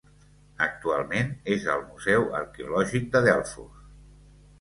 Actualment és al Museu Arqueològic de Delfos.